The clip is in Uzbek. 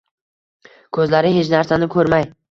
koʻzlari hech narsani koʻrmay.